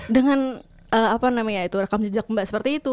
dengan apa namanya itu rekam jejak mbak seperti itu